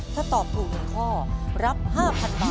ถ้าตอบกลุ่นหนึ่งข้อรับห้าพันต่อ